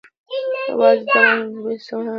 وادي د افغانستان د طبعي سیسټم توازن ساتي.